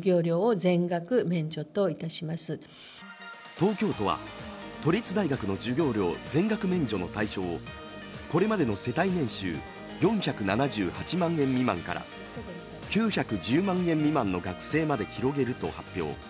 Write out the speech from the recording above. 東京都は都立大学の授業料全額免除の対象をこれまでの世帯年収４７８万円未満から９１０万円未満の学生まで広げると発表。